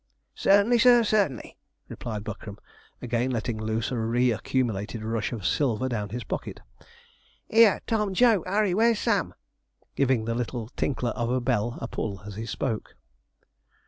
'Certainly, sir, certainly,' replied Buckram, again letting loose a reaccumulated rush of silver down his pocket. 'Here, Tom! Joe! Harry! where's Sam?' giving the little tinkler of a bell a pull as he spoke.